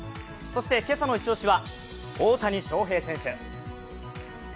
そして、今朝のイチオシは大谷翔平選手。